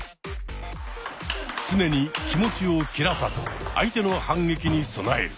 常に気持ちを切らさず相手の反撃に備える。